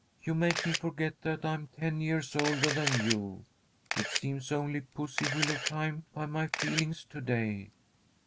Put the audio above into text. You make me forget that I am ten years older than you. It seems only pussy willow time by my feelings to day."